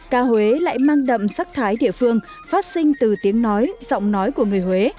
ca huế lại mang đậm sắc thái địa phương phát sinh từ tiếng nói giọng nói của người huế